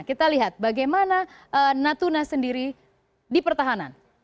kita lihat bagaimana natuna sendiri dipertahanan